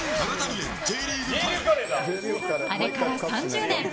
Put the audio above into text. あれから３０年。